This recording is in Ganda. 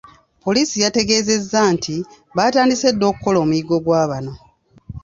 Poliisi yategeezezza nti, baatandise dda okukola omuyiggo gwa bano.